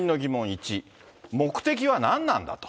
１、目的は何なんだと。